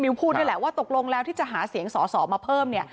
พูดนี่แหละว่าตกลงแล้วที่จะหาเสียงสอสอมาเพิ่มเนี่ย